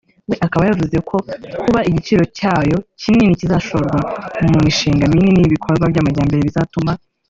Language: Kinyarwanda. we akaba yavuzeko kuba igice cyayo kinini kizashorwa mu mishinga minini y’ibikorwa by’amajyambere bizatuma